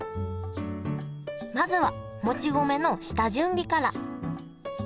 まずはもち米の下準備から。